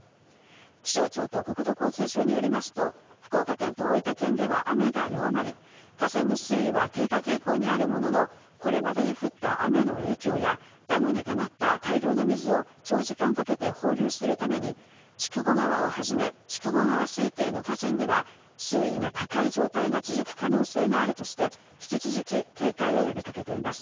気象庁と国土交通省によりますと、福岡県と大分県では雨が弱まり、河川の水位は低下傾向にあるものの、これまでに降った雨の影響やダムにたまった大量の水を長時間かけて放流するために筑後川をはじめ、筑後川水系の河川では、水位が高い状態が続く可能性があるとして引き続き警戒を呼びかけています。